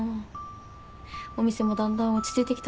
お店もだんだん落ち着いてきたし。